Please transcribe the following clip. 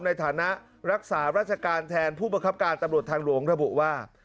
ในฐานะรักษาราชการแทนผู้บังคับการตำรวจทางหลวงระบุว่า